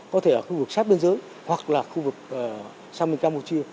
có thể ở khu vực sắp đơn giới hoặc là khu vực sao minh campuchia